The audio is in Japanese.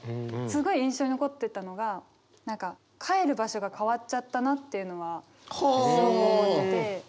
すごい印象に残ってたのが帰る場所が変わっちゃったなっていうのはすごく思ってて。